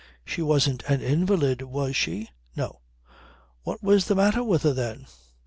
She wasn't an invalid was she? No. What was the matter with her then?